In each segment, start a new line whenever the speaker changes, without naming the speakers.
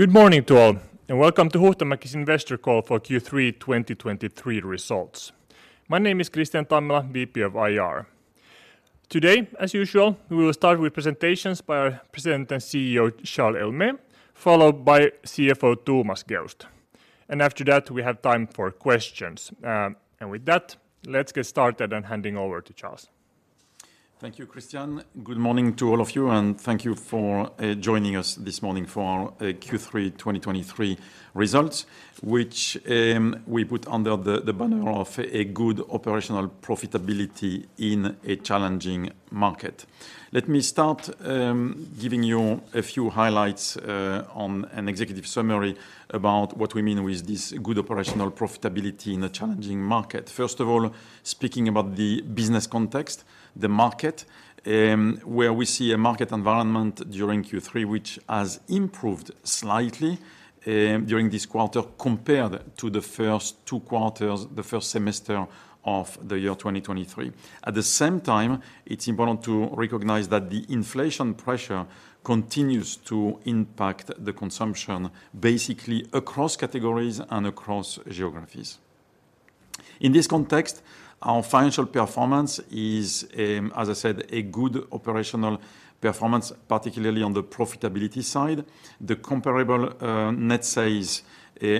nGood morning to all, and welcome to Huhtamaki's Investor call for Q3 2023 results. My name is Kristian Tammela, VP of IR. Today, as usual, we will start with presentations by our President and CEO, Charles Héaulmé, followed by CFO, Thomas Geust. After that, we have time for questions. With that, let's get started. I'm handing over to Charles.
Thank you, Kristian. Good morning to all of you, and thank you for joining us this morning for our Q3 2023 results, which we put under the banner of a good operational profitability in a challenging market. Let me start giving you a few highlights on an executive summary about what we mean with this good operational profitability in a challenging market. First of all, speaking about the business context, the market where we see a market environment during Q3, which has improved slightly during this quarter, compared to the first two quarters, the first semester of the year 2023. At the same time, it's important to recognize that the inflation pressure continues to impact the consumption, basically across categories and across geographies. In this context, our financial performance is, as I said, a good operational performance, particularly on the profitability side. The comparable net sales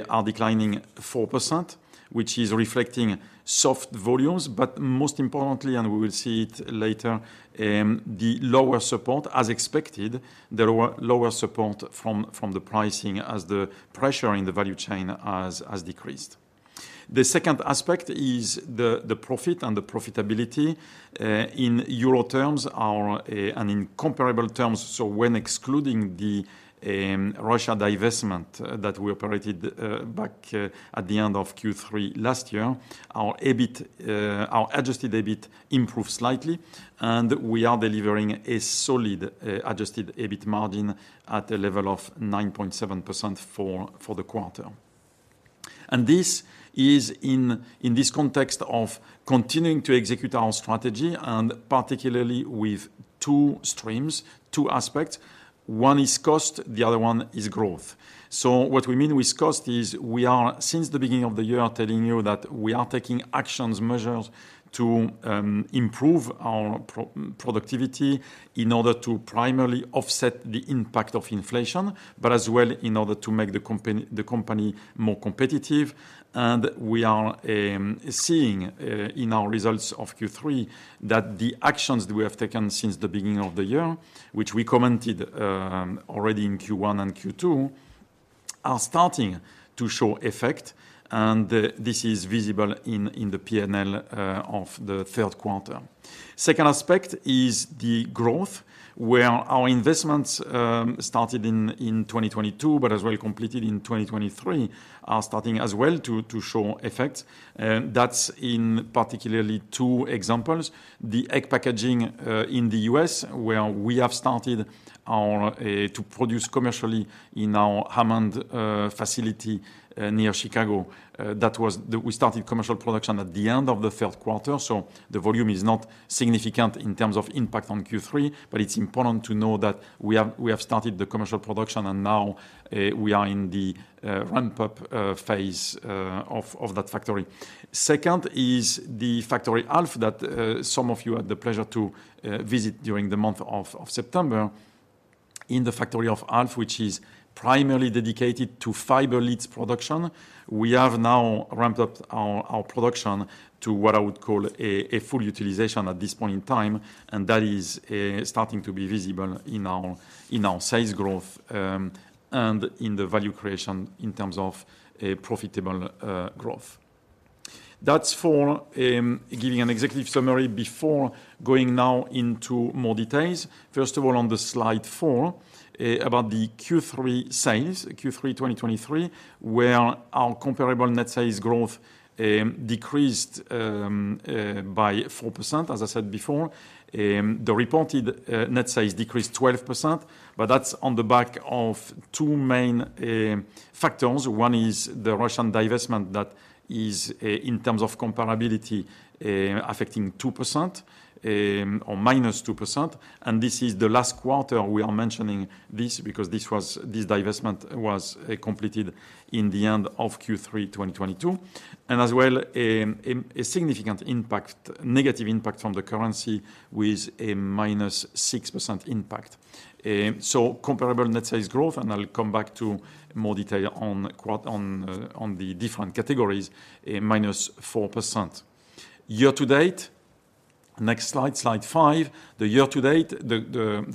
are declining 4%, which is reflecting soft volumes. Most importantly, and we will see it later, the lower support, as expected, the lower support from the pricing as the pressure in the value chain has decreased. The second aspect is the profit and the profitability in euro terms are and in comparable terms. When excluding the Russia divestment that we operated back at the end of Q3 last year, our EBIT, our adjusted EBIT improved slightly, and we are delivering a solid adjusted EBIT margin at a level of 9.7% for the quarter. And this is in this context of continuing to execute our strategy and particularly with two streams. Two aspects one is cost the other one is growth. So what we mean with cost is we are since the beginning of the year I'm telling you that we are taking actions, measures to improve our productivity in order to primarily offset the impact of inflation, but as well to make the company more competitive. We are seeing in the results of our Q3 the actions that we have taken since the beginning of the year which we commented on Q1 and Q2 are starting to show effect and this is visible on the P&L of the third quarter. Second aspect is the growth, where our investments started in 2022, but as well, completed in 2023, are starting as well to show effect. That's in particularly two examples. The egg packaging in the U.S., where we have started to produce commercially in our Hammond facility near Chicago. We started commercial production at the end of the third quarter, so the volume is not significant in terms of impact on Q3, but it's important to know that we have started the commercial production, and now we are in the ramp-up phase of that factory. Second is the factory Alf, that some of you had the pleasure to visit during the month of September. In the factory of Alf, which is primarily dedicated to fiber lids production, we have now ramped up our production to what I would call a full utilization at this point in time, and that is starting to be visible in our sales growth and in the value creation in terms of a profitable growth. That's for giving an executive summary before going now into more details. First of all, on slide four, about the Q3 sales, Q3 2023, where our comparable net sales growth decreased by 4%. As I said before, the reported net sales decreased 12%, but that's on the back of two main factors. One is the Russian divestment that is, in terms of comparability, affecting 2% or -2%. This is the last quarter we are mentioning this because this divestment was completed in the end of Q3 2022. As well, a significant impact, negative impact from the currency with a -6% impact. Comparable net sales growth, and I'll come back to more detail on the different categories, a -4%. Year-to-date, next slide, slide five. The year-to-date, the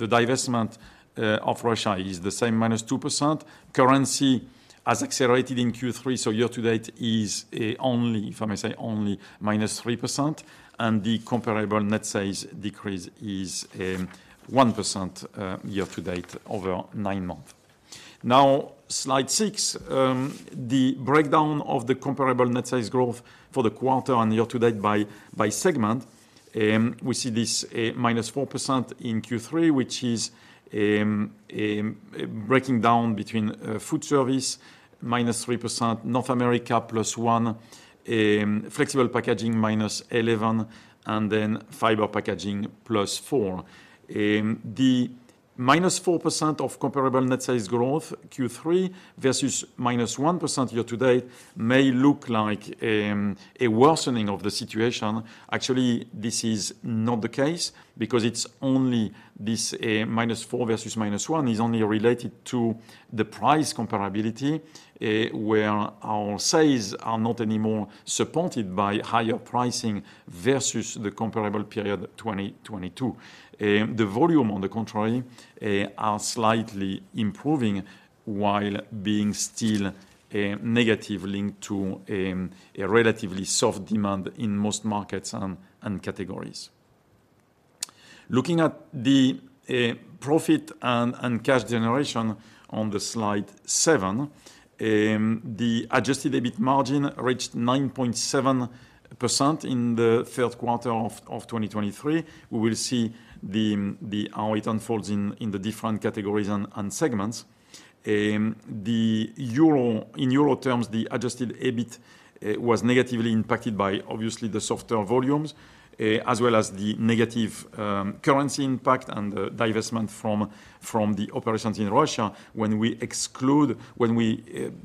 divestment of Russia is the same, -2%. Currency has accelerated in Q3, so year-to-date is only, if I may say, only -3%, and the comparable net sales decrease is 1% year-to-date over nine months. Now, slide six, the breakdown of the comparable net sales growth for the quarter and year-to-date by segment, we see this -4% in Q3, which is breaking down between foodservice -3%, North America +1, flexible packaging -11, and then fiber packaging +4. -4% of comparable net sales growth, Q3 versus -1% year-to-date, may look like a worsening of the situation. Actually, this is not the case because it's only this -4% versus -1% is only related to the price comparability where our sales are not anymore supported by higher pricing versus the comparable period, 2022. The volume, on the contrary, are slightly improving while being still a negative link to a relatively soft demand in most markets and categories. Looking at the profit and cash generation on the slide seven, the adjusted EBIT margin reached 9.7% in the third quarter of 2023. We will see how it unfolds in the different categories and segments. In euro terms, the adjusted EBIT was negatively impacted by obviously the softer volumes, as well as the negative currency impact and the divestment from the operations in Russia. When we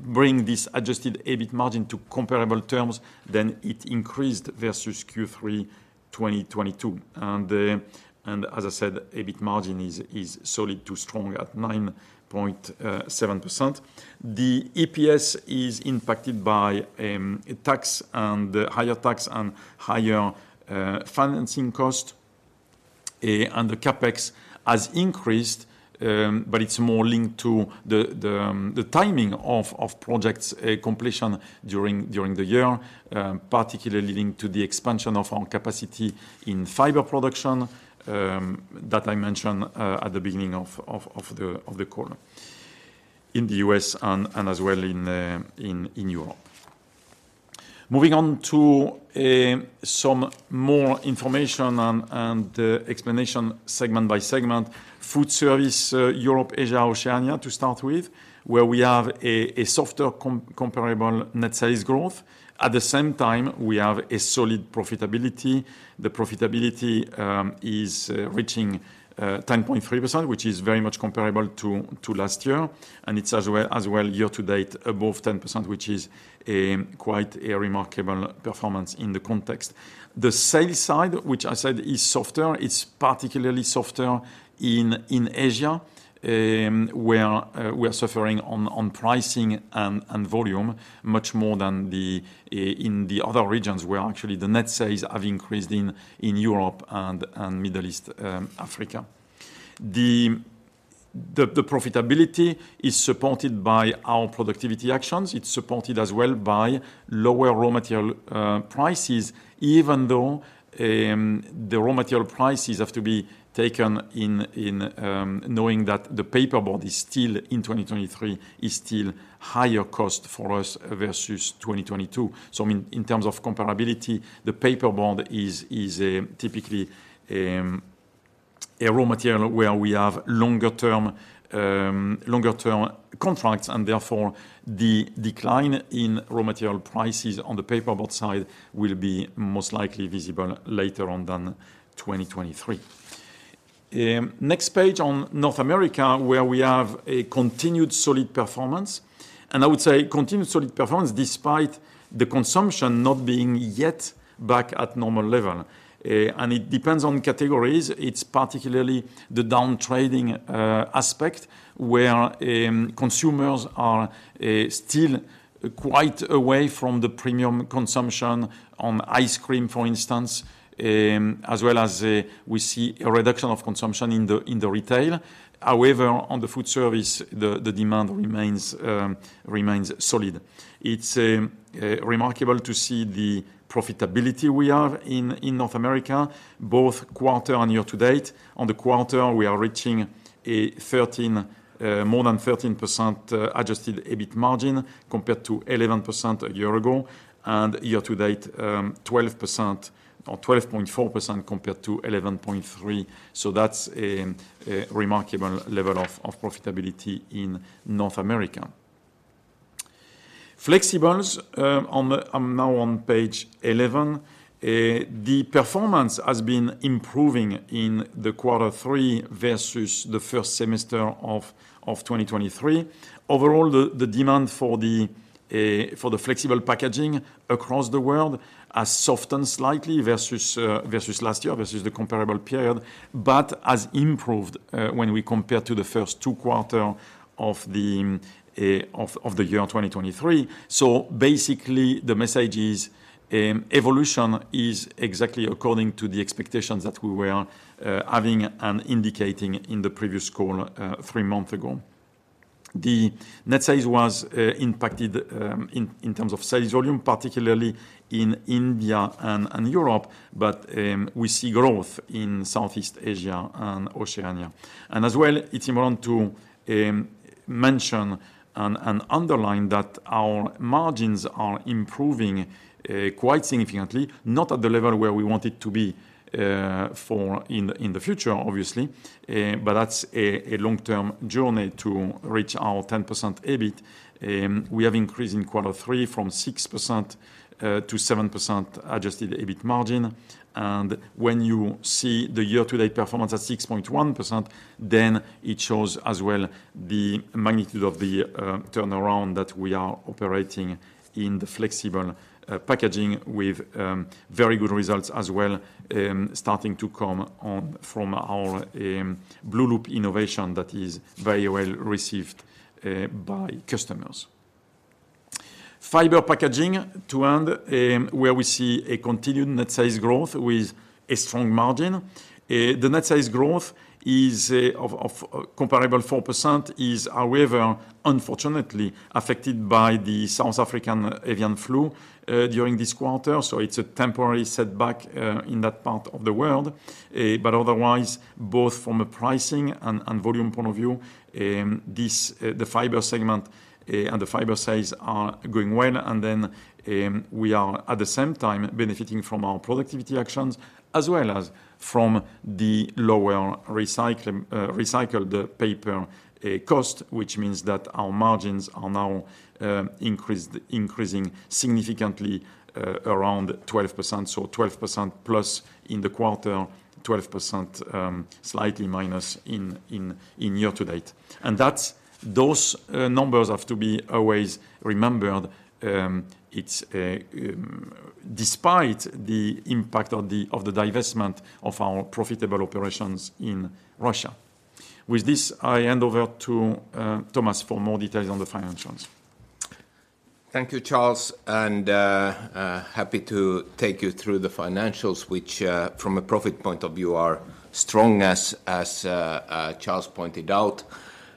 bring this adjusted EBIT margin to comparable terms, then it increased versus Q3 2022. As I said, EBIT margin is solid to strong at 9.7%. EPS is impacted by higher tax and higher financing cost, and CapEx has increased, but it's more linked to the timing of projects completion during the year, particularly leading to the expansion of our capacity in fiber production that I mentioned at the beginning of the call in the U.S. and as well in Europe. Moving on to some more information and explanation segment by segment. Foodservice Europe, Asia, Oceania, to start with, where we have a softer comparable net sales growth. At the same time, we have a solid profitability. The profitability is reaching 10.3%, which is very much comparable to last year, and it's as well, as well, year-to-date, above 10%, which is quite a remarkable performance in the context. The sales side, which I said is softer, it's particularly softer in Asia, where we are suffering on pricing and volume much more than in the other regions, where actually the net sales have increased in Europe and Middle East, Africa. The profitability is supported by our productivity actions. It's supported as well by lower raw material prices, even though the raw material prices have to be taken in knowing that the paperboard is still in 2023, is still higher cost for us versus 2022. I mean, in terms of comparability, the paperboard is typically a raw material where we have longer-term contracts, and therefore, the decline in raw material prices on the paperboard side will be most likely visible later on than 2023. Next page on North America, where we have a continued solid performance, and I would say continued solid performance despite the consumption not being yet back at normal level. It depends on categories. It's particularly the downtrading aspect, where consumers are still quite away from the premium consumption on ice cream, for instance, as well as we see a reduction of consumption in the retail. However, on the foodservice, the demand remains solid. It's remarkable to see the profitability we have in North America, both quarter and year-to-date. On the quarter, we are reaching more than 13% adjusted EBIT margin compared to 11% a year ago, and year-to-date, 12% or 12.4% compared to 11.3%. That's a remarkable level of profitability in North America. Flexibles, on the... I'm now on page 11. The performance has been improving in Quarter three versus the first semester of 2023. Overall, the demand for the flexible packaging across the world has softened slightly versus last year, versus the comparable period, but has improved when we compare to the first two quarter of the year 2023. Basically, the message is evolution is exactly according to the expectations that we were having and indicating in the previous call three months ago. The net sales was impacted in terms of sales volume, particularly in India and Europe, but we see growth in Southeast Asia and Oceania. As well, it's important to mention and underline that our margins are improving quite significantly, not at the level where we want it to be for the future, obviously. That's a long-term journey to reach our 10% EBIT. We have increased in quarter three from 6%-7% adjusted EBIT margin. When you see the year-to-date performance at 6.1%, then it shows as well the magnitude of the turnaround that we are operating in the flexible packaging, with very good results as well starting to come on from our blueloop innovation that is very well received by customers. Fiber packaging, to end, where we see a continued net sales growth with a strong margin. The net sales growth is of comparable 4%, is however, unfortunately, affected by the South African avian flu during this quarter. It's a temporary setback in that part of the world. Otherwise, both from a pricing and volume point of view, this the fiber segment and the fiber sales are going well. We are at the same time benefiting from our productivity actions, as well as from the lower recycled paper cost, which means that our margins are now increasing significantly, around 12%. 12%+ in the quarter, 12% slightly minus in year-to-date. Those numbers have to be always remembered. It's despite the impact of the divestment of our profitable operations in Russia. With this, I hand over to Thomas for more details on the financials.
Thank you, Charles, and happy to take you through the financials, which from a profit point of view are strong as Charles pointed out.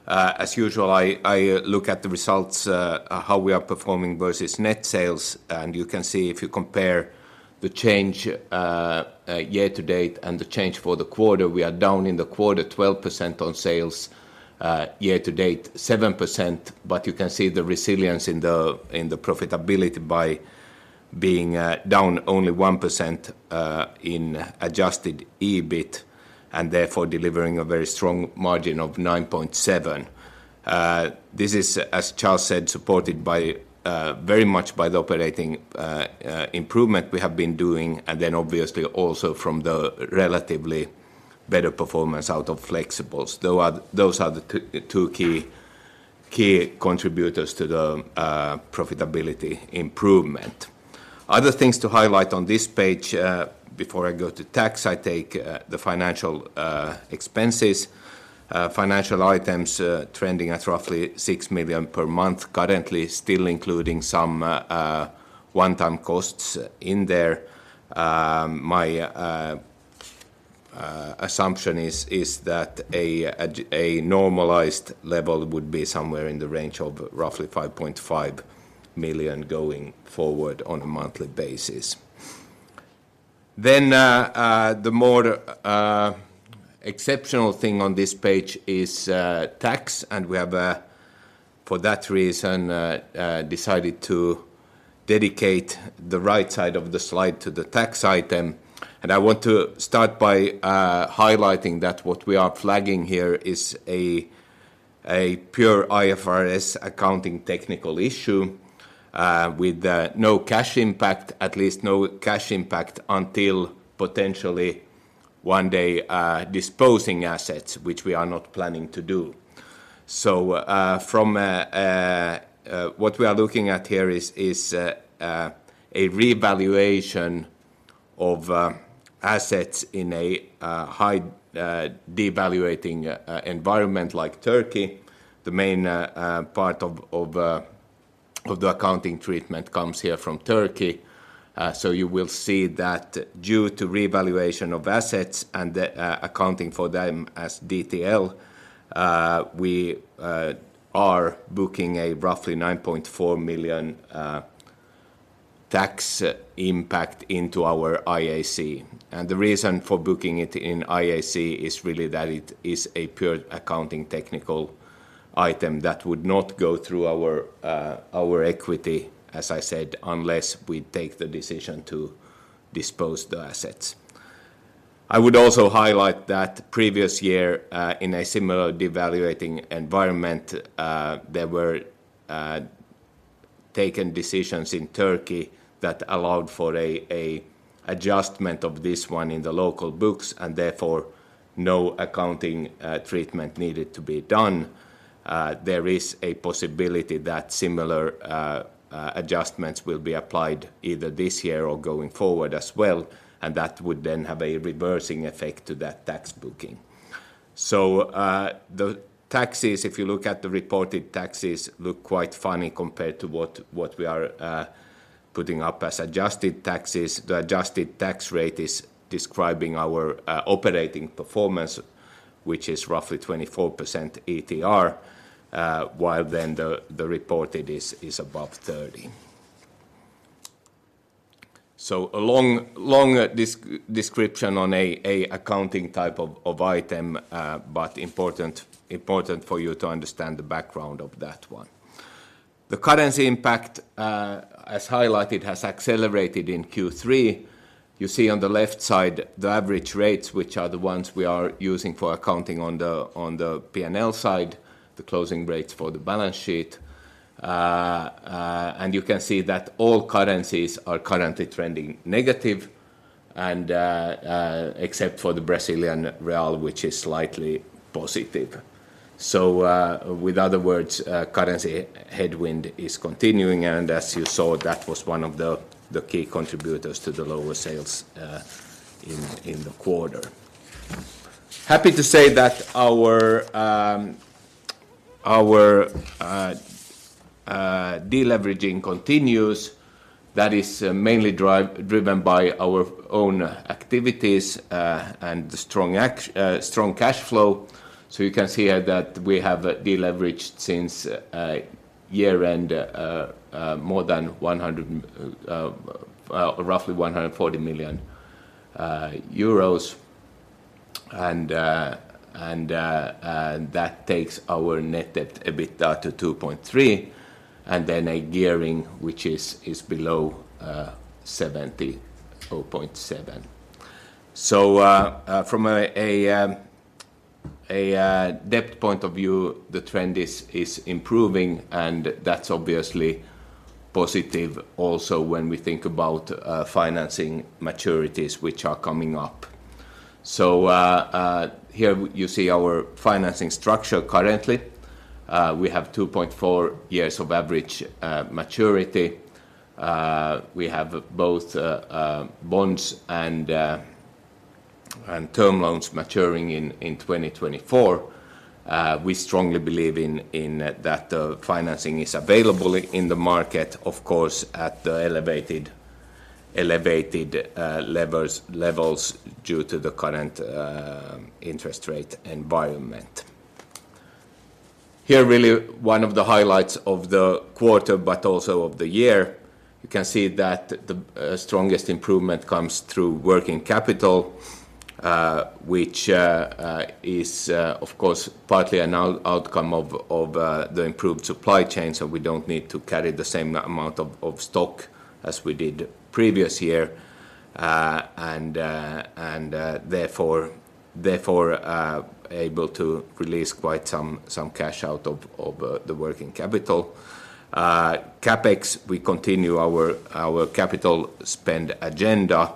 As usual, I look at the results, how we are performing versus net sales. You can see, if you compare the change year-to-date and the change for the quarter, we are down in the quarter 12% on sales, year-to-date, 7%. You can see the resilience in the profitability by being down only 1% in adjusted EBIT, and therefore delivering a very strong margin of 9.7%. This is, as Charles said, supported very much by the operating improvement we have been doing, and then obviously also from the relatively better performance out of flexibles. Those are the two key contributors to the profitability improvement. Other things to highlight on this page before I go to tax, I take the financial expenses. Financial items trending at roughly 6 million per month, currently still including some one-time costs in there. My assumption is that a normalized level would be somewhere in the range of roughly 5.5 million going forward on a monthly basis. The more exceptional thing on this page is tax, and we have for that reason decided to dedicate the right side of the slide to the tax item. I want to start by highlighting that what we are flagging here is a pure IFRS accounting technical issue with no cash impact, at least no cash impact, until potentially one day disposing assets, which we are not planning to do. From what we are looking at here is a revaluation of assets in a high devaluating environment like Turkey. The main part of the accounting treatment comes here from Turkey. You will see that due to revaluation of assets and the accounting for them as DTL, we are booking a roughly 9.4 million tax impact into our IAC. The reason for booking it in IAC is really that it is a pure accounting technical item that would not go through our equity, as I said, unless we take the decision to dispose the assets. I would also highlight that previous year, in a similar devaluating environment, there were taken decisions in Turkey that allowed for an adjustment of this one in the local books, and therefore, no accounting treatment needed to be done. There is a possibility that similar adjustments will be applied either this year or going forward as well, and that would then have a reversing effect to that tax booking. The taxes, if you look at the reported taxes, look quite funny compared to what we are putting up as adjusted taxes. The adjusted tax rate is describing our operating performance, which is roughly 24% ETR, while then the reported is above 30%. A long, long description on an accounting type of item, but important, important for you to understand the background of that one. The currency impact, as highlighted, has accelerated in Q3. You see on the left side the average rates, which are the ones we are using for accounting on the P&L side, the closing rates for the balance sheet. You can see that all currencies are currently trending negative, and except for the Brazilian real, which is slightly positive. With other words, currency headwind is continuing, and as you saw, that was one of the key contributors to the lower sales in the quarter. Happy to say that our de-leveraging continues. That is mainly driven by our own activities and the strong cash flow. You can see here that we have de-leveraged since year-end more than 100 million, roughly 140 million euros. That takes our net debt EBITDA to 2.3, and then a gearing, which is below 74.7. From a debt point of view, the trend is improving, and that's obviously positive also when we think about financing maturities which are coming up. Here you see our financing structure currently. We have 2.4 years of average maturity. We have both bonds and term loans maturing in 2024. We strongly believe in that the financing is available in the market, of course, at the elevated levels due to the current interest rate environment. Here, really one of the highlights of the quarter, but also of the year, you can see that the strongest improvement comes through working capital, which is, of course, partly an outcome of the improved supply chain, so we don't need to carry the same amount of stock as we did previous year, and therefore able to release quite some cash out of the working capital. CapEx, we continue our capital spend agenda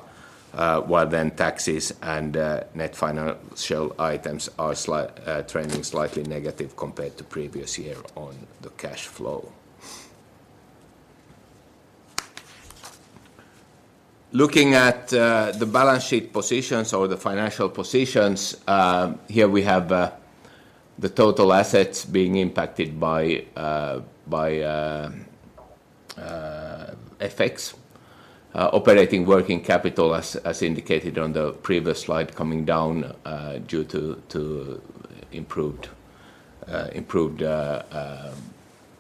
while then taxes and net financial items are trending slightly negative compared to previous year on the cash flow. Looking at the balance sheet positions or the financial positions, here we have the total assets being impacted by FX. Operating working capital, as indicated on the previous slide, coming down due to improved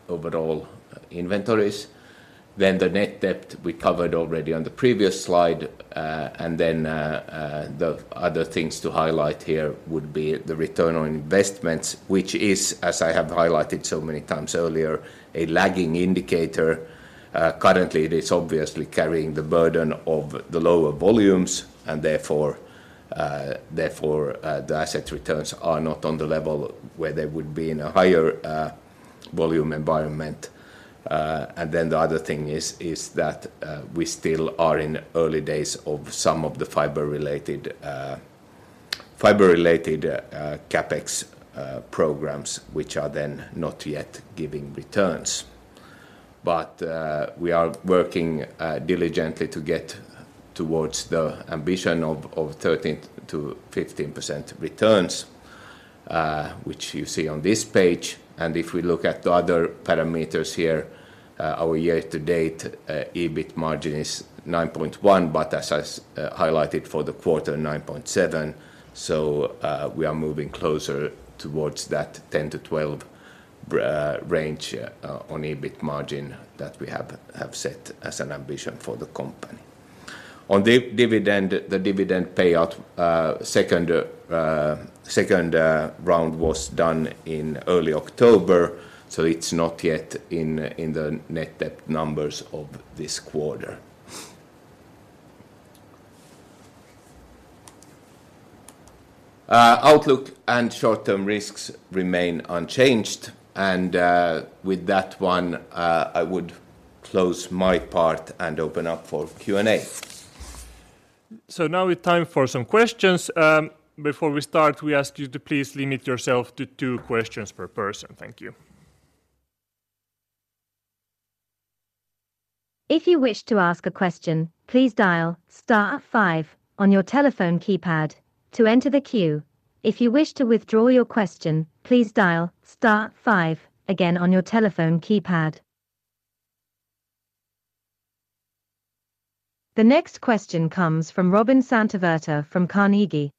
overall inventories. The net debt we covered already on the previous slide, and then the other things to highlight here would be the return on investments, whichCa is, as I have highlighted so many times earlier, a lagging indicator. Currently is obviously carrying the burden of the lower volumes therefore the asset returns are not on the level where they would be in a higher volume environment. And the other thing is we are still in the early days of some the fiber related CapEx programs which are not yet giving returns. But we are working diligently to get towards the ambition of 13%-15% which you see on this page, and if you look at other parameters here our year-to-date EBIT margin is 9.1% but as I highlighted for the quarter is 9.7%. We are moving closer towards that 10%-12% range on EBIT margin that we have set as an ambition for the company. On the dividend, the dividend payout second round was done in early October, so it's not yet in the net debt numbers of this quarter. Outlook and short-term risks remain unchanged, and with that one, I would close my part and open up for Q&A.
Now it's time for some questions. Before we start, we ask you to please limit yourself to two questions per person. Thank you.
If you wish to ask a question, please dial star five on your telephone keypad to enter the queue. If you wish to withdraw your question, please dial star five again on your telephone keypad. The next question comes from Robin Santavirta from Carnegie.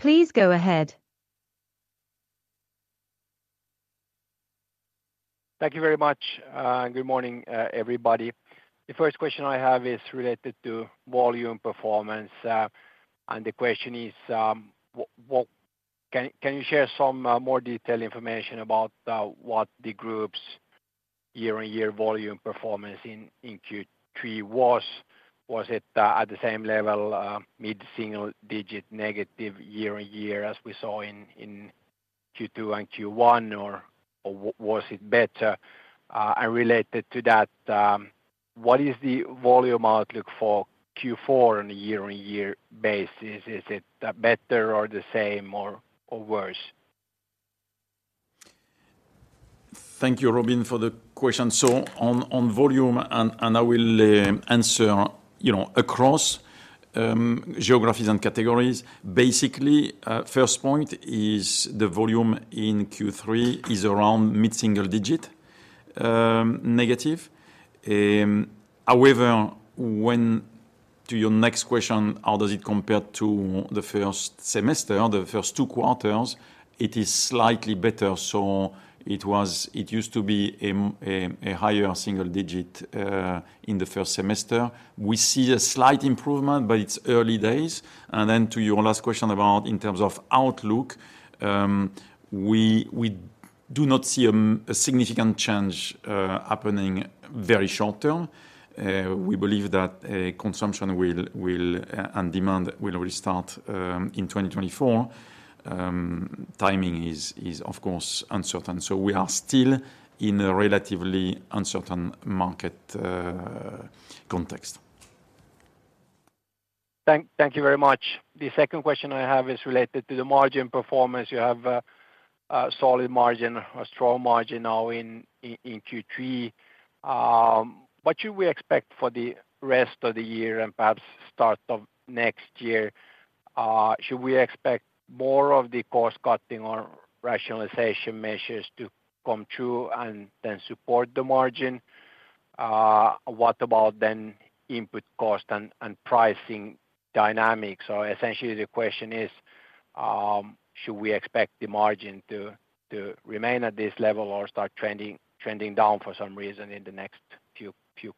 Please go ahead.
Thank you very much. Good morning, everybody. The first question I have is related to volume performance. The question is, can you share some more detailed information about what the group's year-on-year volume performance in Q3 was? Was it at the same level, mid-single-digit, negative year-on-year, as we saw in Q2 and Q1, or was it better? Related to that, what is the volume outlook for Q4 on a year-on-year basis? Is it better or the same or worse?"
Thank you, Robin, for the question. On volume and I will answer, you know, across geographies and categories. Basically, first point is the volume in Q3 is around mid-single-digit negative. However, to your next question, how does it compare to the first semester, the first two quarters? It is slightly better. It used to be a higher single-digit in the first semester. We see a slight improvement, but it's early days. To your last question about in terms of outlook, we do not see a significant change happening very short term. We believe that consumption and demand will restart in 2024. Timing is of course uncertain, so we are still in a relatively uncertain market context.
Thank you very much. The second question I have is related to the margin performance. You have a solid margin, a strong margin now in Q3. What should we expect for the rest of the year and perhaps start of next year? Should we expect more of the cost-cutting or rationalization measures to come through and then support the margin? What about then input cost and pricing dynamics? Essentially, the question is, should we expect the margin to remain at this level or start trending down for some reason in the next few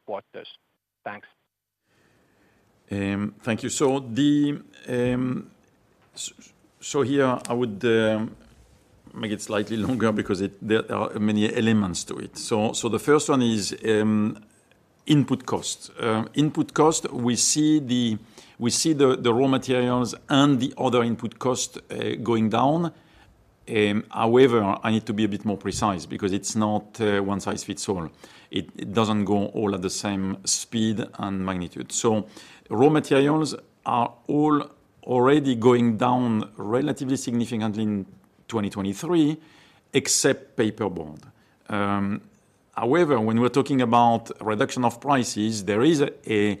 quarters? Thanks.
Thank you. Here I would make it slightly longer because there are many elements to it. The first one is input costs. Input cost, we see the raw materials and the other input costs going down. However, I need to be a bit more precise because it's not one-size-fits-all. It doesn't go all at the same speed and magnitude. Raw materials are all already going down relatively significantly in 2023, except paperboard. However, when we're talking about reduction of prices, there is a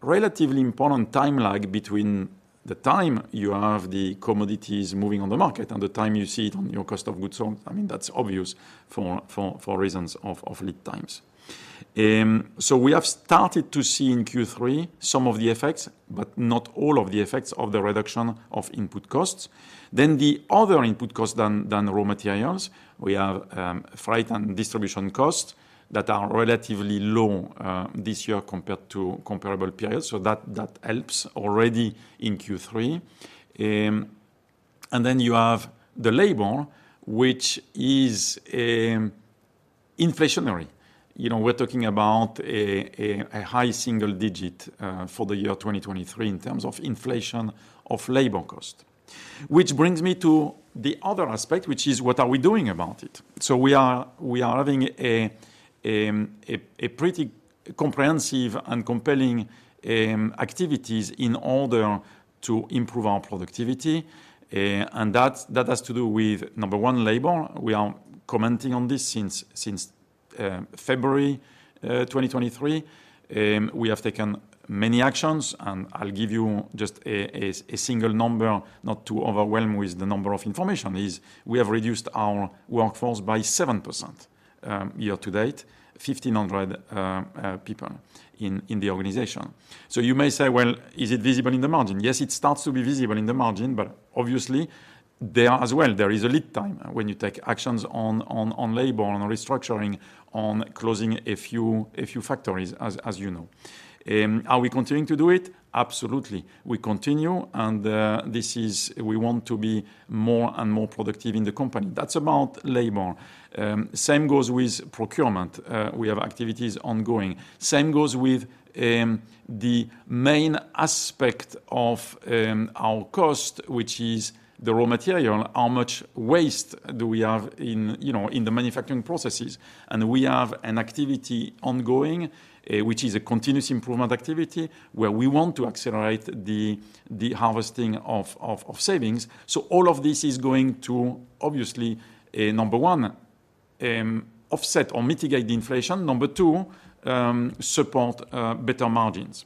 relatively important time lag between the time you have the commodities moving on the market and the time you see it on your cost of goods. I mean, that's obvious for reasons of lead times. We have started to see in Q3 some of the effects, but not all of the effects of the reduction of input costs. The other input costs than raw materials, we have freight and distribution costs that are relatively low this year compared to comparable periods, so that helps already in Q3. You have the labor, which is inflationary. You know, we're talking about a high single digit for the year 2023 in terms of inflation of labor cost. Which brings me to the other aspect, which is: What are we doing about it? We are having a pretty comprehensive and compelling activities in order to improve our productivity. That has to do with, number one, labor. We are commenting on this since February 2023. We have taken many actions, and I'll give you just a single number, not to overwhelm with the number of information, is we have reduced our workforce by 7% year-to-date, 1,500 people in the organization. You may say, "Well, is it visible in the margin?" Yes, it starts to be visible in the margin, but obviously there are as well, there is a lead time when you take actions on labor, on restructuring, on closing a few factories, as you know. Are we continuing to do it? Absolutely. We continue, and we want to be more and more productive in the company. That's about labor. Same goes with procurement. We have activities ongoing. Same goes with the main aspect of our cost, which is the raw material. How much waste do we have in, you know, the manufacturing processes? We have an activity ongoing which is a continuous improvement activity, where we want to accelerate the harvesting of savings. All of this is going to obviously, number one, offset or mitigate the inflation. Number two, support better margins.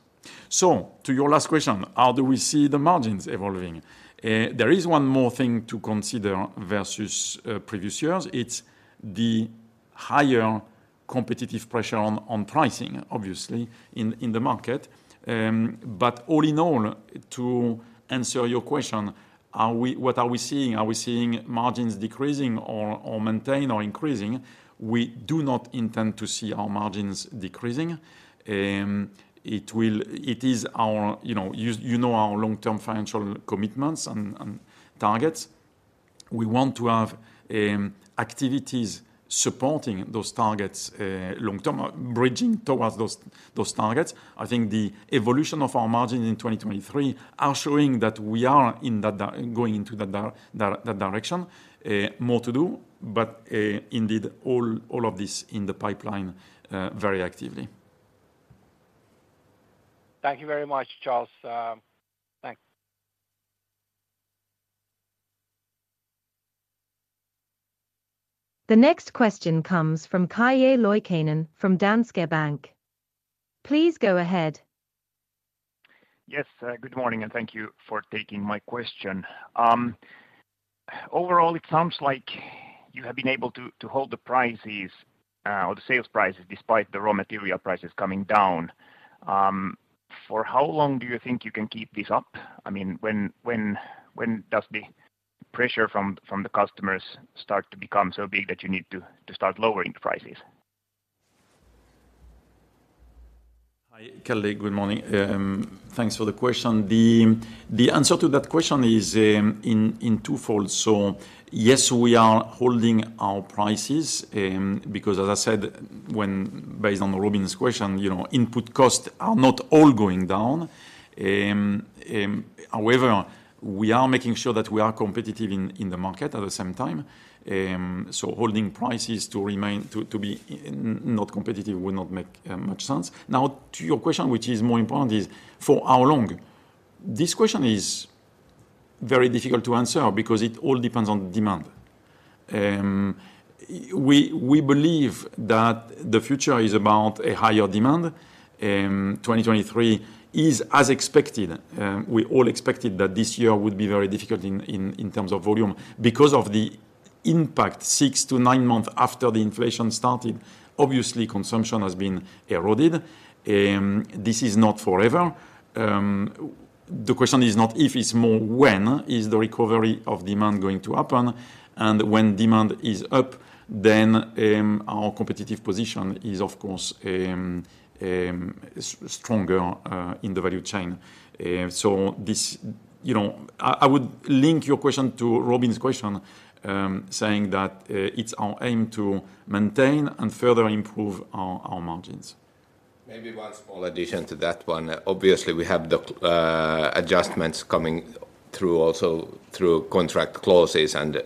To your last question, how do we see the margins evolving? There is one more thing to consider versus previous years. It's the competitive pressure on pricing, obviously, in the market. All in all, to answer your question, what are we seeing? Are we seeing margins decreasing or maintained or increasing? We do not intend to see our margins decreasing. It is our, you know, you know our long-term financial commitments and targets. We want to have activities supporting those targets long term, bridging towards those targets. I think the evolution of our margin in 2023 are showing that we are going into that direction. More to do, but indeed, all of this in the pipeline very actively.
Thank you very much, Charles. Thanks.
The next question comes from Calle Loikkanen from Danske Bank. Please go ahead.
Yes, good morning, and thank you for taking my question. Overall, it sounds like you have been able to hold the prices or the sales prices, despite the raw material prices coming down. For how long do you think you can keep this up? I mean, when does the pressure from the customers start to become so big that you need to start lowering prices?
Hi, Calle. Good morning. Thanks for the question. The answer to that question is in twofold. Yes, we are holding our prices because as I said, based on Robin's question, you know, input costs are not all going down. However, we are making sure that we are competitive in the market at the same time. Holding prices to remain, to be not competitive would not make much sense. Now, to your question, which is more important, is for how long? This question is very difficult to answer because it all depends on demand. We believe that the future is about a higher demand. 2023 is as expected. We all expected that this year would be very difficult in terms of volume because of the impact six to nine month after the inflation started obviously consumption has been eroded. This is not forever, the question is not when the recovery of the month is going to happen and when the demand is up our competitive position is of course stronger in the value chain. So I would link your question to Robin's question saying that its our aim to maintain and further improve our margins.
Maybe one small addition to that one. Obviously, we have the adjustments coming through, also through contract clauses, and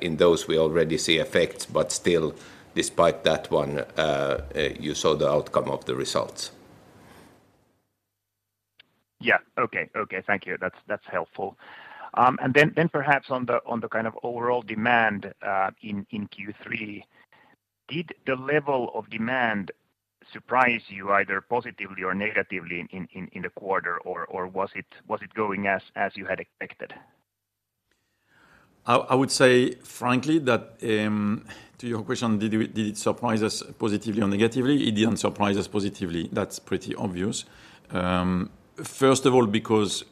in those we already see effects. Still, despite that one, you saw the outcome of the results.
Yeah ok, thank you that's helpful. Then perhaps on the kind of overall demand in Q3, did the level of demand surprise you either positively or negatively in the quarter or was it going as expected?
I would say frankly that, to your question, did it surprise us positively or negatively? It didn't surprise us positively, that's pretty obvious. First of all, because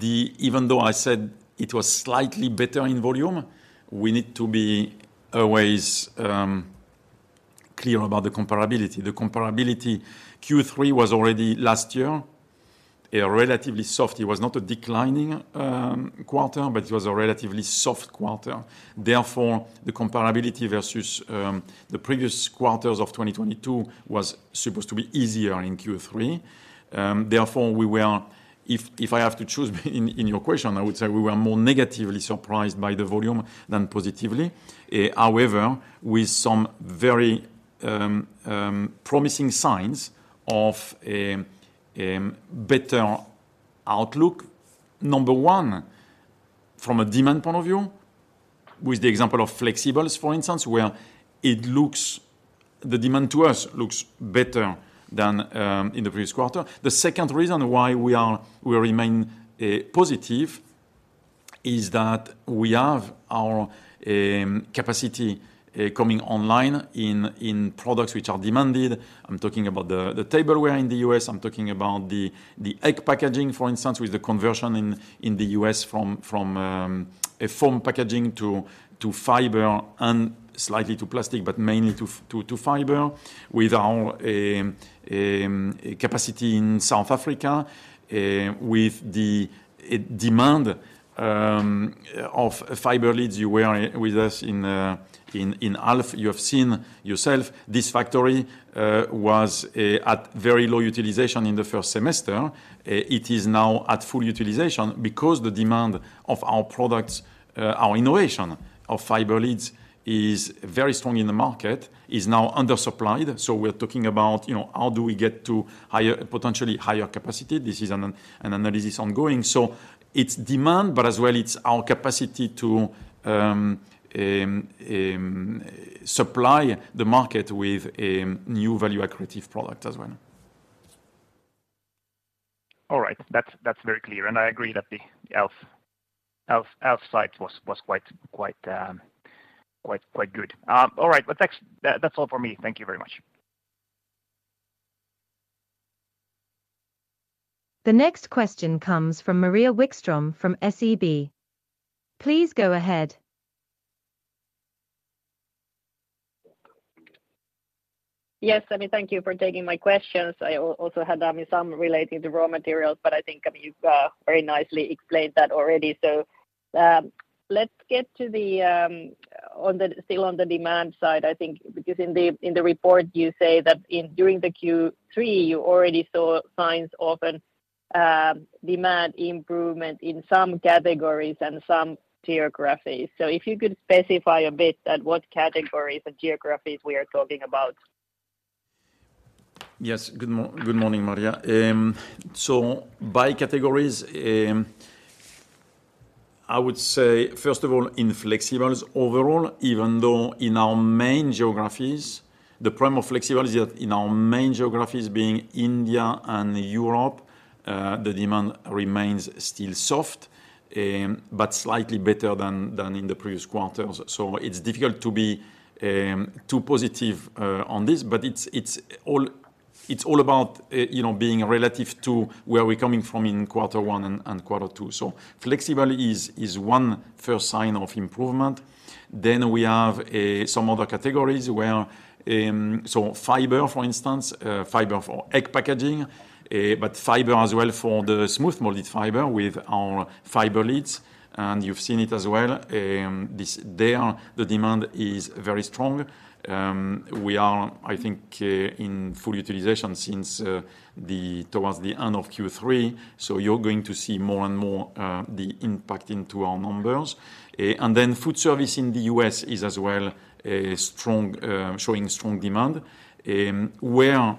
even though I said it was slightly better in volume, we need to be always clear about the comparability. The comparability, Q3 was already last year, a relatively soft. It was not a declining quarter, but it was a relatively soft quarter. Therefore, the comparability versus the previous quarters of 2022 was supposed to be easier in Q3. Therefore, we were, if I have to choose in your question, I would say we were more negatively surprised by the volume than positively. However, with some very promising signs of a better outlook. Number one from a demand point of view with the example of flexibles for instance where it looks the demand to us looks better than in the first quarter. The second reason why we remain positive is that we have our capacity coming online where our products are demanded I'm talking about tableware in the U.S., the egg packaging for instance with the conversion in the U.S. from packaging to fiber and slightly to plastics but mainly to fiber with our capacity in South Africa with the demand of fiber lids you were with us you see Alf factory was at very low utilization in the first semester. It is now at full utilization because the demand of our products, our innovation of fiber lids, is very strong in the market, is now undersupplied. We're talking about, you know, how do we get to higher, potentially higher capacity? This is an analysis ongoing. It's demand, but as well, it's our capacity to supply the market with a new value-accretive product as well.
All right, that's very clear, and I agree that the Alf site was quite good. All right, well, thanks. That's all for me. Thank you very much.
The next question comes from Maria Wikström from SEB. Please go ahead.
Yes, I mean, thank you for taking my questions. I also had some relating to raw materials, but I think, I mean, you've very nicely explained that already. Let's get to the still on the demand side, I think, because in the, in the report, you say that in during Q3, you already saw signs of a demand improvement in some categories and some geographies. If you could specify a bit at what categories and geographies we are talking about?
Yes. Good morning, Maria. By categories, I would say, first of all, in flexibles overall, even though in our main geographies, the prime of flexible is that in our main geographies being India and Europe, the demand remains still soft, but slightly better than in the previous quarters. It's difficult to be too positive on this, but it's all about, you know, being relative to where we're coming from in quarter one and quarter two. flexible is one first sign of improvement. We have some other categories where fiber, for instance, fiber for egg packaging, but fiber as well for the smooth molded fiber with our fiber lids, and you've seen it as well. There, the demand is very strong. We are, I think, in full utilization since towards the end of Q3, so you're going to see more and more the impact into our numbers. Foodservice in the U.S. is as well showing strong demand. Where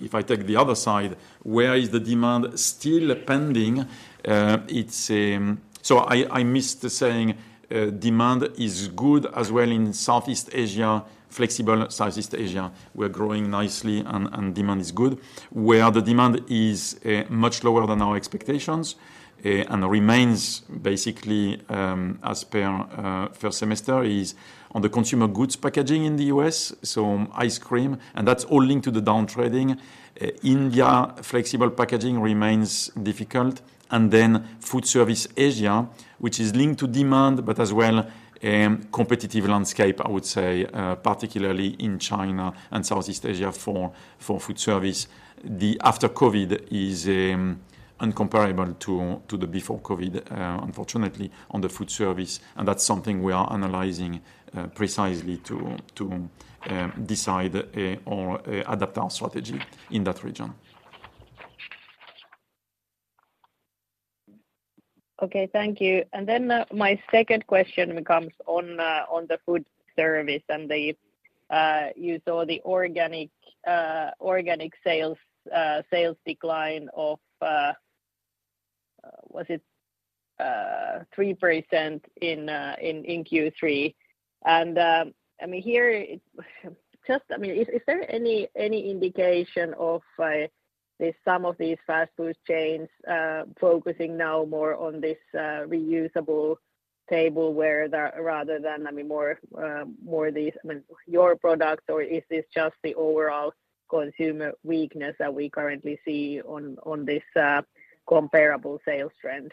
if I take the other side, where is the demand still pending? I missed saying demand is good as well in Southeast Asia, flexible Southeast Asia. We're growing nicely, and demand is good. Where the demand is much lower than our expectations and remains basically as per first semester is on the consumer goods packaging in the U.S., so ice cream, and that's all linked to the downtrading. India, flexible packaging remains difficult, and then foodservice Asia, which is linked to demand, but as well, competitive landscape, I would say, particularly in China and Southeast Asia for foodservice. The after COVID is incomparable to the before COVID, unfortunately, on the foodservice, and that's something we are analyzing precisely to decide or adapt our strategy in that region.
Okay, thank you. My second question comes on the foodservice and you saw the organic sales decline of was it 3% in Q3? I mean, here, is there any indication of there's some of these fast food chains focusing now more on this reusable tableware rather than, I mean, more these, I mean, your product, or is this just the overall consumer weakness that we currently see on this comparable sales trend?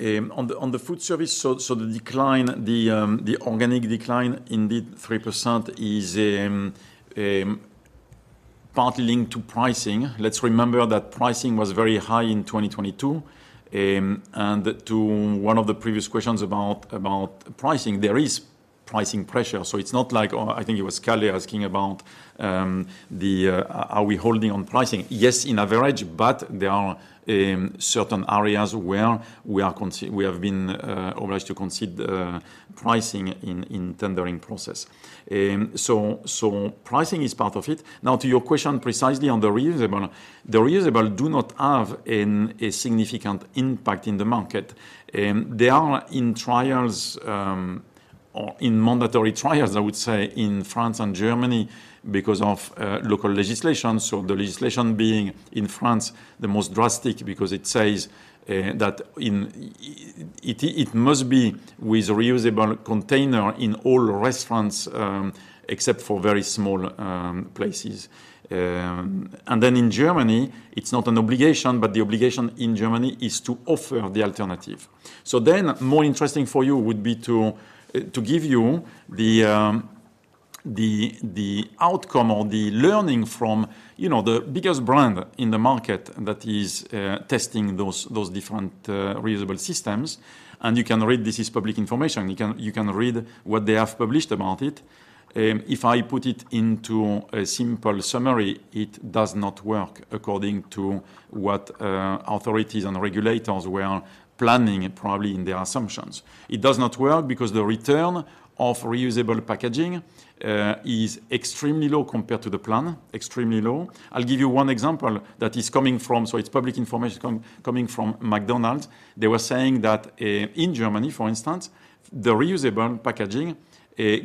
On the foodservice, the decline, the organic decline, indeed, 3% is partly linked to pricing. Let's remember that pricing was very high in 2022. To one of the previous questions about pricing, there is pricing pressure, so it's not like, oh, I think it was Calle asking about are we holding on pricing? Yes, in average, but there are certain areas where we have been obliged to consider pricing in tendering process. Pricing is part of it. Now, to your question precisely on the reusable, the reusable do not have a significant impact in the market. They are in trials or in mandatory trials, I would say, in France and Germany because of local legislation. know, the biggest brand in the market that is testing those different reusable systems."* Is "the outcome or the learning" correct? Yes. Is "the biggest brand in the market" correct? Yes. Is "testing those different reusable systems" correct? Yes. * *Wait, "You can read. This is public information."* Is "public information" correct? Yes. * *Wait, "You can read what they have published about it."* Is "published about it" correct? Yes. * *Wait, "If I put it into a simple summary, it does not work according to what authorities and regulators were planning probably in their assumptions."* Is "simple summary" correct? Yes. Is "authorities and regulators" correct? Yes. Is "planning probably in their assumptions" correct? Yes. It does not work because the return of reusable packaging is extremely low compared to the plan. Extremely low. I'll give you one example that is coming from... It's public information coming from McDonald's. They were saying that in Germany, for instance, the reusable packaging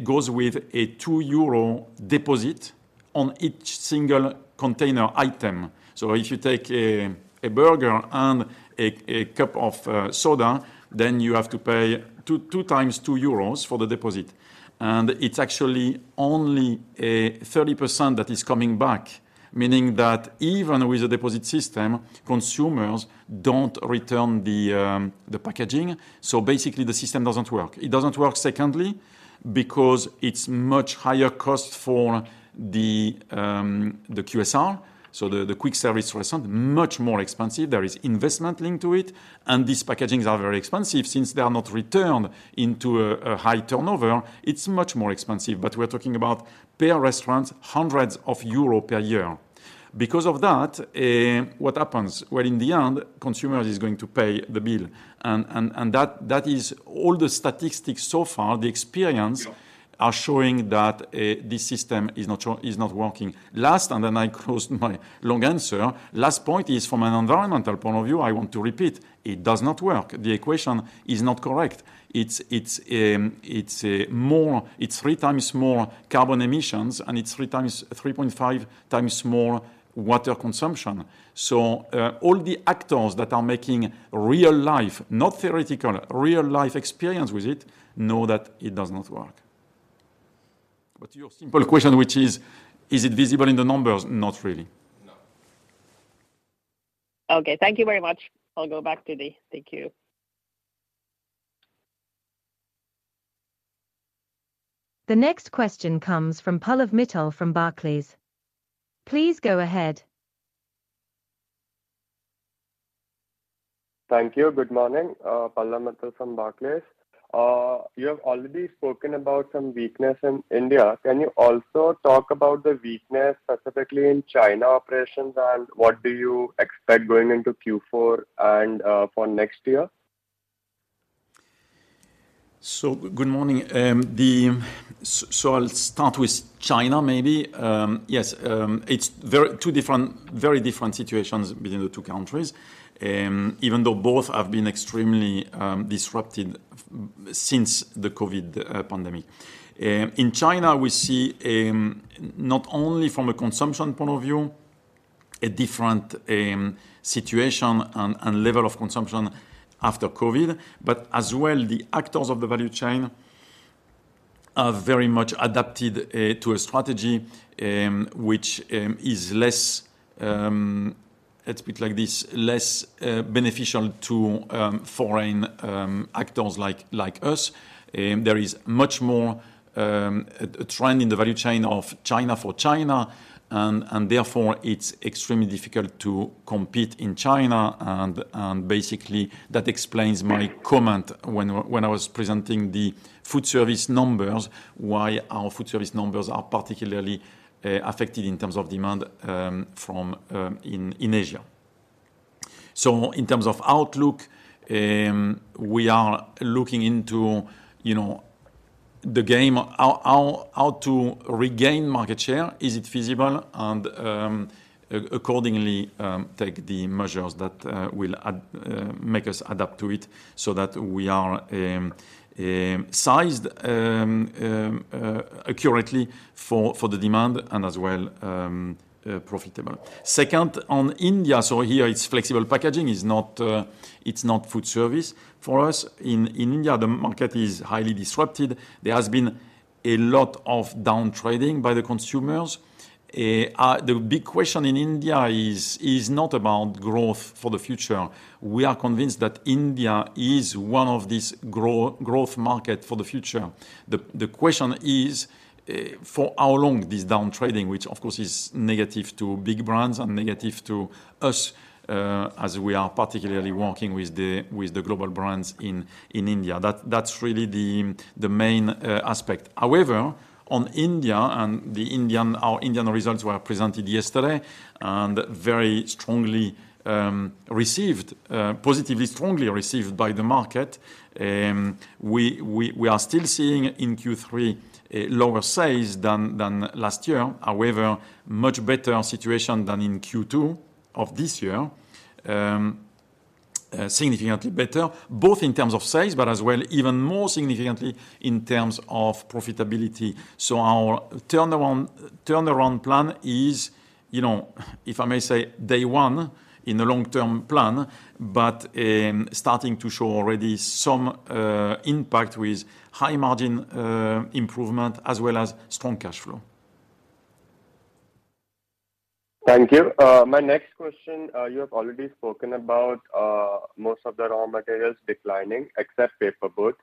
goes with a 2 euro deposit on each single container item. If you take a burger and a cup of soda, then you have to pay two times 2 euros for the deposit. It's actually only 30% that is coming back, meaning that even with a deposit system, consumers don't return the packaging. Basically, the system doesn't work. It doesn't work, secondly, because it's much higher cost for the QSR, so the quick service restaurant, much more expensive. There is investment linked to it, and these packagings are very expensive. Since they are not returned into a high turnover, it's much more expensive. We're talking about per restaurant, hundreds of EUR per year. Because of that, what happens? Well, in the end, consumer is going to pay the bill. That is all the statistics so far, the experience. Are showing that this system is not work, is not working. Last, and then I close my long answer. Last point is from an environmental point of view, I want to repeat, it does not work. The equation is not correct. It's three times more carbon emissions, and it's three times, 3.5 times more water consumption. All the actors that are making real-life, not theoretical, real-life experience with it, know that it does not work. Your simple question, which is: Is it visible in the numbers? Not really.
Okay, thank you very much. I'll go back to the. Thank you.
The next question comes from Pallav Mittal from Barclays. Please go ahead.
Thank you, good morning, Pallav Mittal from Barclays. You have all been talking about some weakness in India can you talk about also about the weakness in China and what do you expect going into Q4 and for next year?
Good morning. I'll start with China, maybe. Yes, it's two different, very different situations between the two countries, even though both have been extremely disrupted since the COVID pandemic. In China, we see not only from a consumption point of view, a different situation and level of consumption after COVID, but as well, the actors of the value chain are very much adapted to a strategy which is less, let's put it like this, less beneficial to foreign actors like us. There is much more a trend in the value chain of China for China, and therefore, it's extremely difficult to compete in China, and basically, that explains my comment when I was presenting the foodservice numbers, why our foodservice numbers are particularly affected in terms of demand from in Asia. In terms of outlook, we are looking into, you know, the game, how to regain market share, is it feasible? Accordingly, take the measures that will make us adapt to it so that we are sized accurately for the demand and as well profitable. Second, on India, so here it's flexible packaging is not, it's not foodservice. For us in India, the market is highly disrupted. There has been a lot of downtrading by the consumers. The big question in India is not about growth for the future. We are convinced that India is one of these growth market for the future. The question is for how long this downtrading, which of course, is negative to big brands and negative to us as we are particularly working with the global brands in India. That's really the main aspect. However, on India and the Indian our Indian results were presented yesterday and very strongly received, positively, strongly received by the market. We are still seeing in Q3 lower sales than last year. However, much better situation than in Q2 of this year. Significantly better, both in terms of sales, but as well, even more significantly in terms of profitability. Our turnaround plan is, you know, if I may say, day one in the long-term plan, but starting to show already some impact with high-margin improvement as well as strong cash flow.
Thank you. My next question, you have already spoken about most of the raw materials declining except paperboard.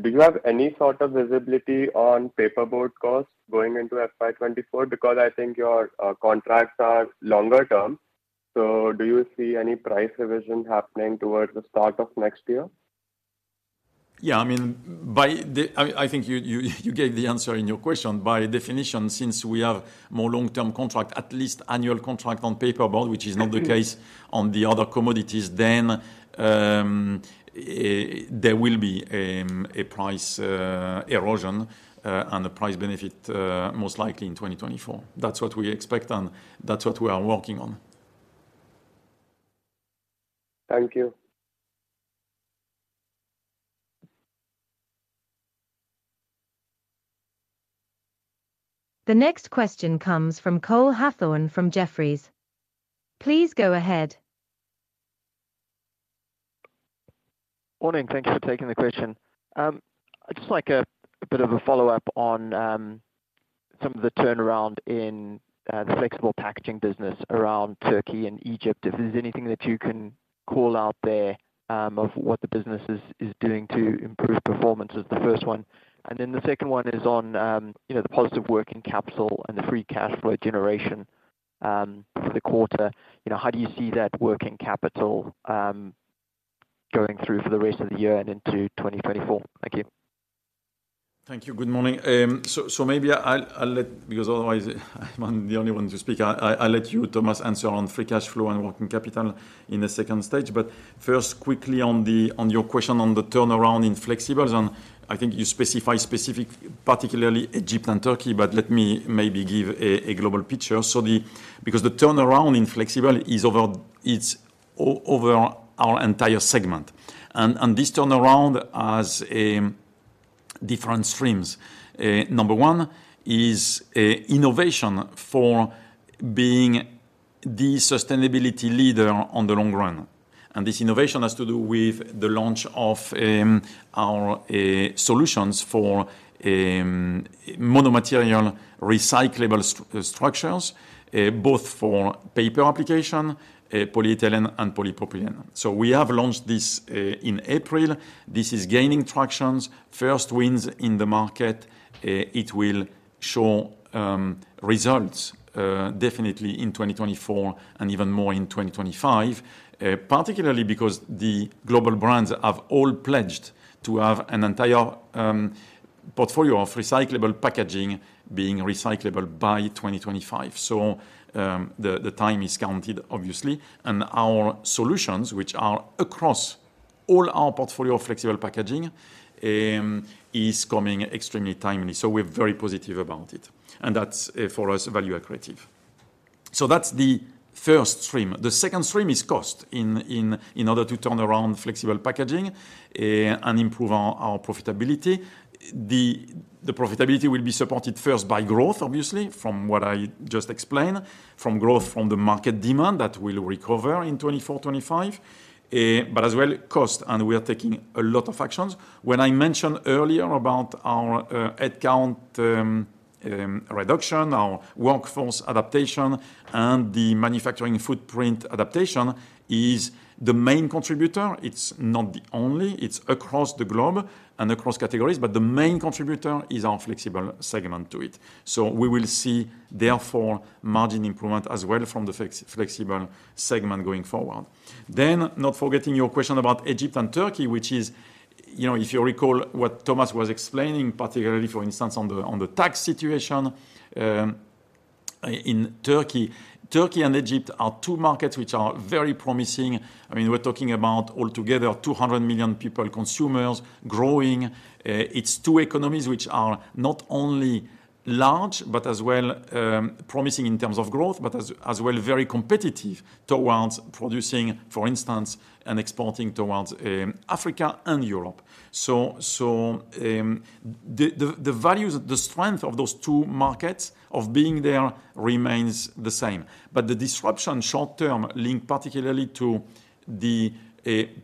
Do you have any sort of visibility on paperboard costs going into FY 2024? Because I think your contracts are longer term. Do you see any price revision happening towards the start of next year?
Yeah, I mean, I think you gave the answer in your question. By definition, since we have more long-term contract, at least annual contract on paperboard. Which is not the case on the other commodities, then there will be a price erosion and a price benefit, most likely in 2024. That's what we expect, and that's what we are working on.
Thank you.
The next question comes from Cole Hathorn from Jefferies. Please go ahead.
Morning. Thank you for taking the question. I'd just like a bit of a follow-up on some of the turnaround in the flexible packaging business around Turkey and Egypt. If there's anything that you can call out there of what the business is doing to improve performance, is the first one. The second one is on, you know, the positive working capital and the free cash flow generation for the quarter. You know, how do you see that working capital going through for the rest of the year and into 2024? Thank you.
Thank you. Good morning. Maybe I'll let because otherwise, I'm the only one to speak. I'll let you, Thomas, answer on free cash flow and working capital in the second stage. First, quickly on your question on the turnaround in flexibles, and I think you specify specific, particularly Egypt and Turkey, but let me maybe give a global picture. Because the turnaround in flexible is over, it's over our entire segment. This turnaround has different streams. Number one is innovation for being the sustainability leader on the long run. This innovation has to do with the launch of our solutions for mono-material recyclable structures, both for paper application, polyethylene and polypropylene. We have launched this in April. This is gaining tractions. First wins in the market, it will show results definitely in 2024 and even more in 2025. Particularly because the global brands have all pledged to have an entire portfolio of recyclable packaging being recyclable by 2025. The time is counted, obviously, and our solutions, which are across all our portfolio of flexible packaging, is coming extremely timely. We're very positive about it, and that's for us value accretive. That's the first stream. The second stream is cost in order to turn around flexible packaging and improve our profitability. The profitability will be supported first by growth, obviously, from what I just explained, from growth from the market demand that will recover in 2024, 2025, but as well cost, and we are taking a lot of actions. When I mentioned earlier about our headcount reduction, our workforce adaptation, and the manufacturing footprint adaptation is the main contributor. It's not the only, it's across the globe and across categories, but the main contributor is our flexible segment to it. We will see therefore, margin improvement as well from the flexible segment going forward. Not forgetting your question about Egypt and Turkey, which is, you know, if you recall what Thomas was explaining, particularly, for instance, on the tax situation in Turkey. Turkey and Egypt are two markets which are very promising. I mean, we're talking about altogether 200 million people, consumers, growing. It's two economies which are not only large, but as well, promising in terms of growth, but as well, very competitive towards producing, for instance, and exporting towards Africa and Europe. The values, the strength of those two markets of being there remains the same. The disruption short term, linked particularly to the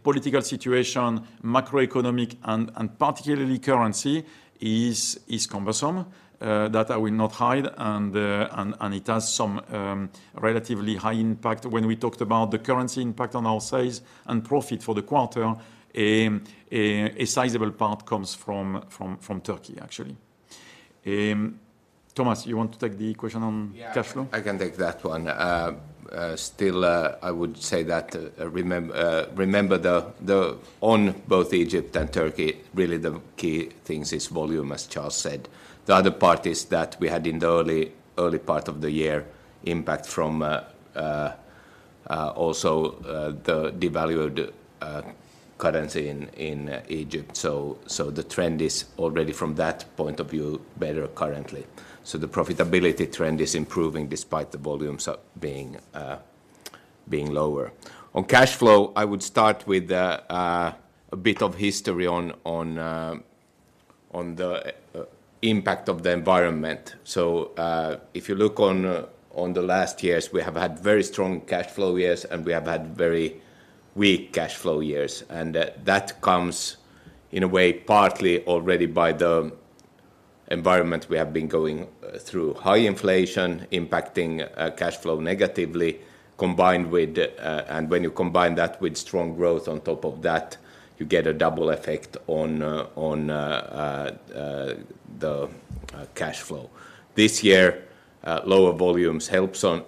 political situation, macroeconomic, and particularly currency, is cumbersome. That I will not hide, and it has some relatively high impact. When we talked about the currency impact on our sales and profit for the quarter, a sizable part comes from Turkey, actually. Thomas, you want to take the question on cash flow?
Yeah, I can take that one. Still, I would say that on both Egypt and Turkey, really the key things is volume, as Charles said. The other part is that we had in the early, early part of the year, impact from also the devalued currency in Egypt. The trend is already from that point of view, better currently. The profitability trend is improving despite the volumes are being lower. On cash flow, I would start with a bit of history on the impact of the environment. If you look on the last years, we have had very strong cash flow years, and we have had very weak cash flow years. That comes in a way, partly already by the environment we have been going through. High inflation impacting cash flow negatively, combined with... When you combine that with strong growth on top of that, you get a double effect on the cash flow. This year, lower volumes helps on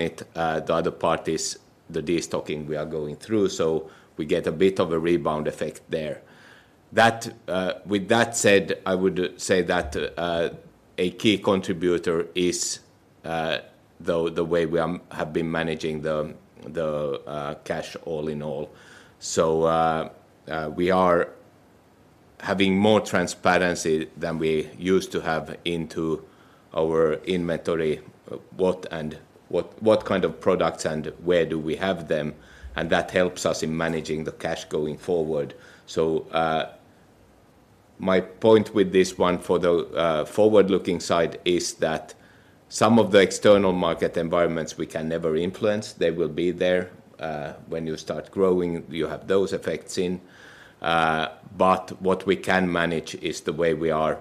it. The other part is the destocking we are going through, so we get a bit of a rebound effect there. That, with that said, I would say that a key contributor is the way we have been managing the cash all in all. We are having more transparency than we used to have into... Our inventory, what kind of products and where do we have them, and that helps us in managing the cash going forward. My point with this one for the forward-looking side is that some of the external market environments we can never influence. They will be there. When you start growing, you have those effects in, but what we can manage is the way we are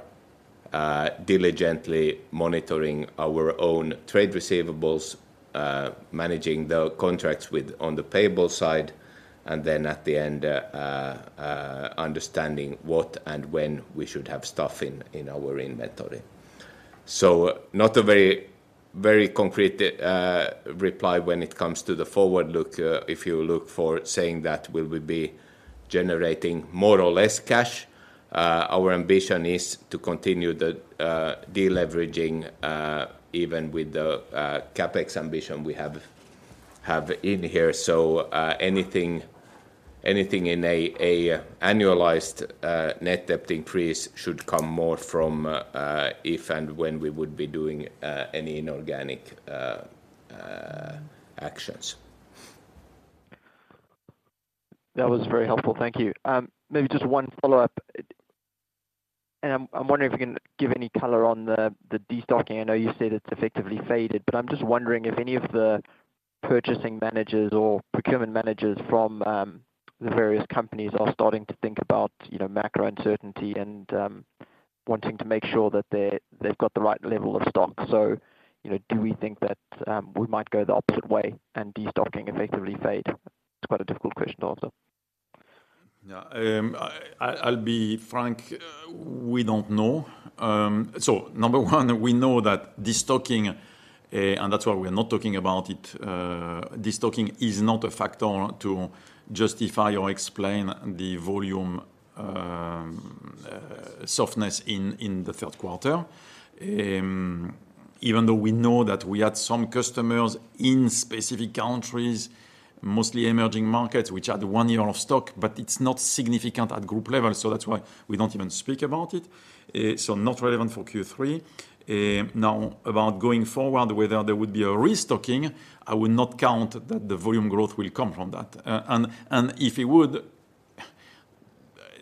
diligently monitoring our own trade receivables, managing the contracts with on the payable side, and then at the end, understanding what and when we should have stuff in our inventory. Not a very, very concrete reply when it comes to the forward look. If you look for saying that will we be generating more or less cash, our ambition is to continue the deleveraging, even with the CapEx ambition we have in here. Anything in a annualized net debt increase should come more from if and when we would be doing any inorganic actions.
That was very helpful. Thank you. Maybe just one follow-up. I'm wondering if you can give any color on the destocking. I know you said it's effectively faded, but I'm just wondering if any of the purchasing managers or procurement managers from the various companies are starting to think about, you know, macro uncertainty and wanting to make sure that they've got the right level of stock. You know, do we think that we might go the opposite way and destocking effectively fade? It's quite a difficult question to answer.
Yeah, I'll be frank, we don't know. Number one, we know that destocking, and that's why we're not talking about it, destocking is not a factor to justify or explain the volume softness in the third quarter. Even though we know that we had some customers in specific countries, mostly emerging markets, which had one year of stock, but it's not significant at group level, so that's why we don't even speak about it. Not relevant for Q3. Now, about going forward, whether there would be a restocking, I would not count that the volume growth will come from that. If it would,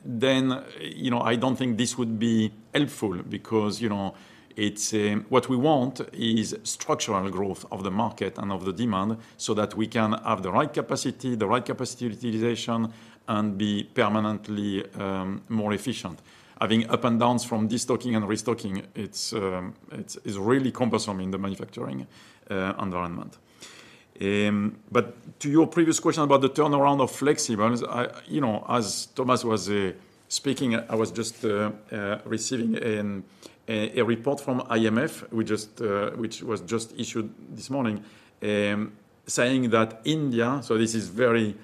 then, you know, I don't think this would be helpful because, you know, it's... What we want is structural growth of the market and of the demand so that we can have the right capacity, the right capacity utilization, and be permanently more efficient. Having up and downs from destocking and restocking is really cumbersome in the manufacturing environment. To your previous question about the turnaround of flexibles, you know, as Thomas was speaking, I was just receiving a report from IMF, which was just issued this morning, saying that India, this is very,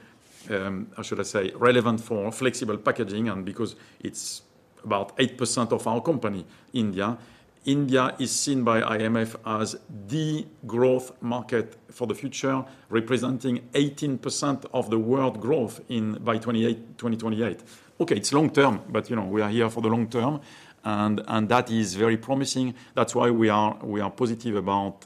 how should I say, relevant for flexible packaging, and because it's about 8% of our company, India. India is seen by IMF as the growth market for the future, representing 18% of the world growth in by 2028, 2028. Okay, it's long-term, but, you know, we are here for the long term, and that is very promising. That's why we are positive about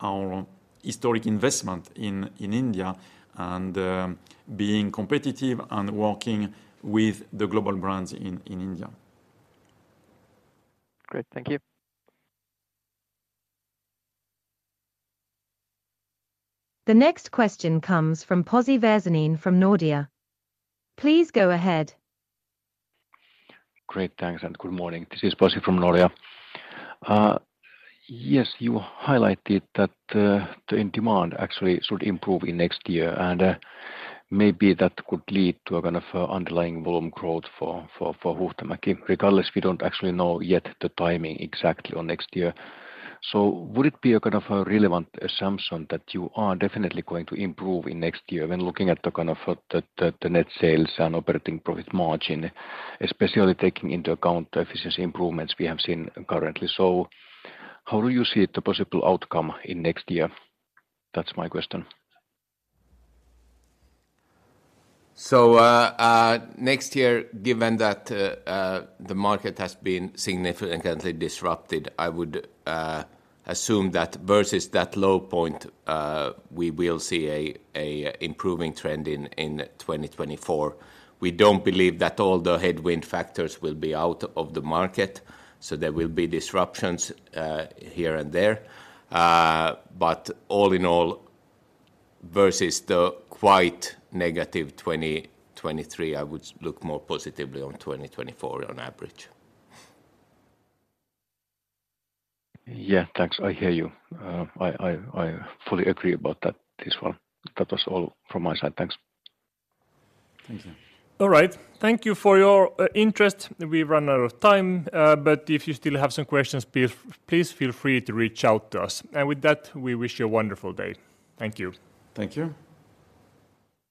our historic investment in India and being competitive and working with the global brands in India.
Great. Thank you.
The next question comes from Pasi Väisänen from Nordea. Please go ahead.
Great, thanks, and good morning. This is Pasi from Nordea. Yes, you highlighted that the demand actually should improve in next year, and maybe that could lead to a kind of underlying volume growth for Huhtamäki. Regardless, we don't actually know yet the timing exactly on next year. Would it be a kind of a relevant assumption that you are definitely going to improve in next year when looking at the kind of the net sales and operating profit margin, especially taking into account the efficiency improvements we have seen currently? How do you see the possible outcome in next year? That's my question.
Next year, given that the market has been significantly disrupted, I would assume that versus that low point, we will see a improving trend in 2024. We don't believe that all the headwind factors will be out of the market, so there will be disruptions here and there. But all in all, versus the quite negative 2023, I would look more positively on 2024 on average.
Yeah, thanks. I hear you. I fully agree about that, this one. That was all from my side. Thanks.
Thank you.
All right. Thank you for your interest. We've run out of time, but if you still have some questions, please feel free to reach out to us. With that, we wish you a wonderful day. Thank you.
Thank you.